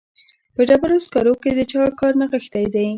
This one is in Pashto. په ډبرو سکرو کې د چا کار نغښتی دی